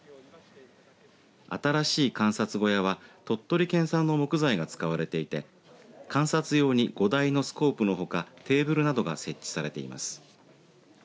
新しい観察小屋は鳥取県産の木材が使われていて観察用に５台のスコープのほかテーブルなどが設置されています。